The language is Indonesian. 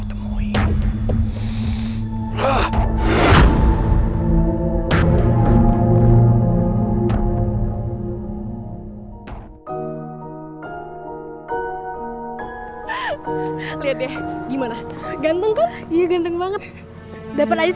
kamu dari date selesainya aja